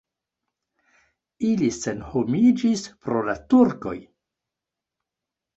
Ili senhomiĝis pro la turkoj.